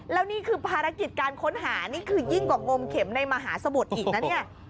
แล้วนี่คือภารกิจการค้นหานี่คือยิ่งกว่างมเข็มในมหาสมุทรอีกนะเนี่ย